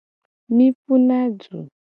Mi puna du .